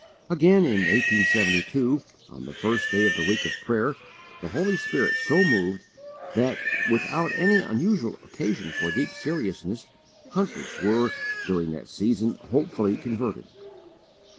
Again, in 1872, on the first day of the week of prayer, the Holy Spirit so moved that, without any unusual occasion for deep seriousness, hundreds were, during that season, hopefully converted.